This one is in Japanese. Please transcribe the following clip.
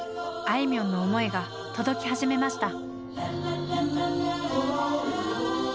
あいみょんの思いが届き始めました。